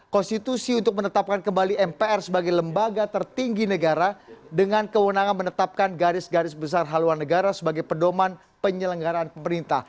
konstitusi untuk menetapkan kembali mpr sebagai lembaga tertinggi negara dengan kewenangan menetapkan garis garis besar haluan negara sebagai pedoman penyelenggaraan pemerintah